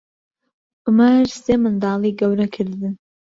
عومەر سێ منداڵی گەورە کردن.